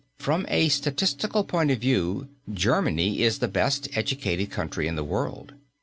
From a statistical point of view Germany is the best educated country in the world.